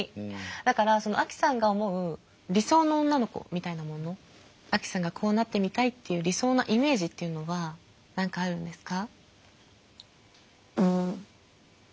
だからアキさんが思う理想の女の子みたいなものアキさんがこうなってみたいっていう理想のイメージっていうのは何かあるんですか？